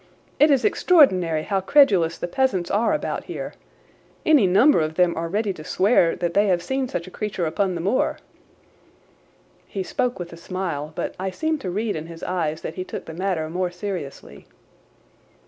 "It is extraordinary how credulous the peasants are about here! Any number of them are ready to swear that they have seen such a creature upon the moor." He spoke with a smile, but I seemed to read in his eyes that he took the matter more seriously.